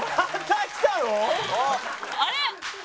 あれ？